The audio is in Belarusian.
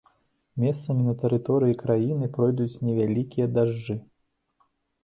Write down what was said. Месцамі на тэрыторыі краіны пройдуць невялікія дажджы.